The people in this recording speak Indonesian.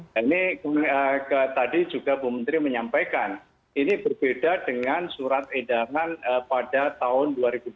dan ini tadi juga bumetri menyampaikan ini berbeda dengan surat edaran pada tahun dua ribu dua puluh